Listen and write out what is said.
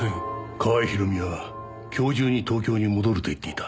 川合ひろみは今日中に東京に戻ると言っていた。